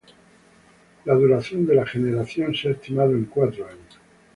La duración de la generación se ha estimado en cuatro años.